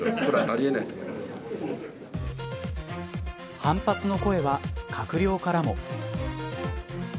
反発の声は閣僚からも。